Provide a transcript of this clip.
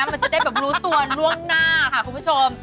มันจะได้แบบรู้ตัวล่วงหน้าค่ะคุณผู้ชม